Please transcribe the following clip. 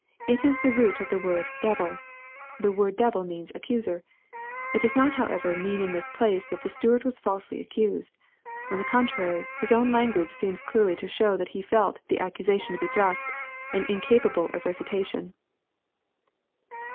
It is the root of the word " devil" The word devil means " accuser." It does not however mean in this place that the steward was falsely accused. On the contrary, his own language seems clearly to show that he felt the accusa tion to be just, and incapable of refutation.